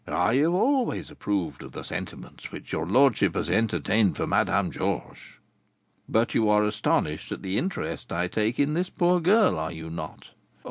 "I have always approved of the sentiments which your lordship has entertained for Madame Georges." "But you are astonished at the interest I take in this poor girl, are you not?"